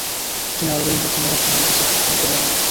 তিনি আরো বলেন, ইবনু মাজাহ মুহাম্মাদের ছিফাত, আব্দুল্লাহর নয়।